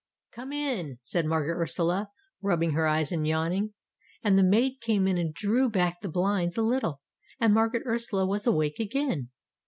"Come in," said Mar garet Ursula, rubbing her eyes and yawning. And the maid came in and drew back the blinds a little ; and Margaret Ursula was awake again.